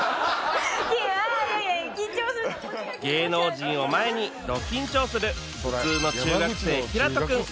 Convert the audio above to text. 芸能人を前にど緊張する普通の中学生煌人くん